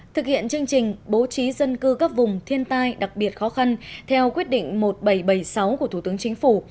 thực hiện chương trình bố trí dân cư các vùng thiên tai đặc biệt khó khăn theo quyết định một nghìn bảy trăm bảy mươi sáu của thủ tướng chính phủ